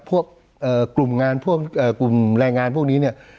พวกกลุ่มงานพวกกลุ่มแรงงานพวกนี้